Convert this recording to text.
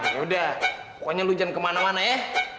ya udah pokoknya lo jangan kemana mana ya